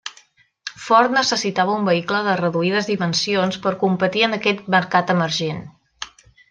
Ford necessitava un vehicle de reduïdes dimensions per competir en aquest mercat emergent.